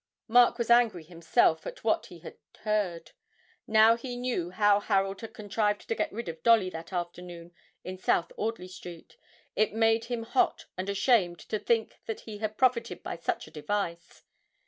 Mark was angry himself at what he had heard. Now he knew how Harold had contrived to get rid of Dolly that afternoon in South Audley Street, it made him hot and ashamed to think that he had profited by such a device.